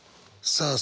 さあ